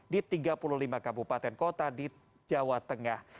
di tiga puluh lima kabupaten kota di jawa tengah